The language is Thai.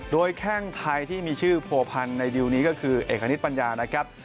โดยแข้งไทยที่มีชื่อผัวพันธ์ในดิวนี้ก็คือเอกณิตปัญญานะครับ